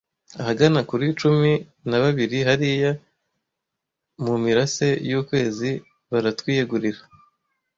Ahagana kuri cumi na babiri hariya mumirase yukwezi baratwiyegurira.